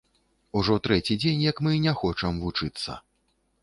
Ужо трэці дзень, як мы не хочам вучыцца.